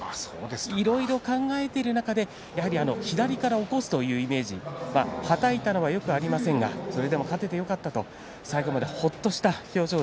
いろいろ考えている中で左から起こすというイメージはたいたのはよくありませんがそれでも勝ててよかったです